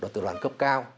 từ đoàn cấp cao